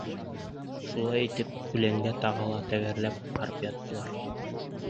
Шулай итеп, үләнгә тағы тәгәрләп барып яттылар.